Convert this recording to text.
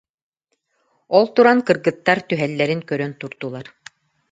Ол туран кыргыттар түһэллэрин көрөн турдулар